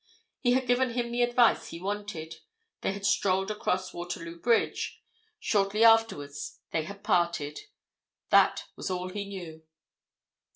He had given him the advice he wanted; they had strolled across Waterloo Bridge; shortly afterwards they had parted. That was all he knew.